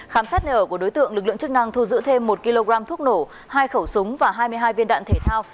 khám sát nở của đối tượng lực lượng chức năng thu giữ thêm một kg thuốc nổ hai khẩu súng và hai mươi hai viên đạn thể thao